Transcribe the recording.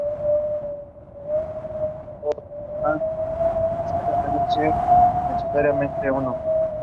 La pareja tuvo tres niños, Susanna, Helena y Fredrik.